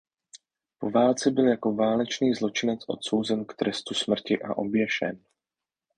Po válce byl jako válečný zločinec odsouzen k trestu smrti a oběšen.